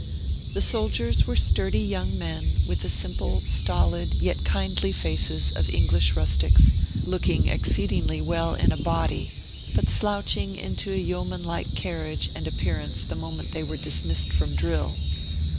The soldiers were sturdy young men, with the simple, stolid, yet kindly faces of English rustics, looking exceedingly well in a body, but slouching into a yeoman like carriage and appearance the moment they were dismissed from drill.